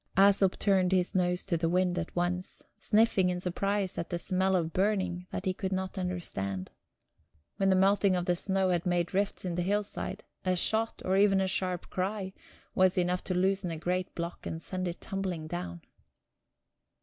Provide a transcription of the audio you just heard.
Æsop turned his nose to the wind at once, sniffing in surprise at the smell of burning that he could not understand. When the melting of the snow had made rifts in the hillside, a shot, or even a sharp cry, was enough to loosen a great block and send it tumbling down...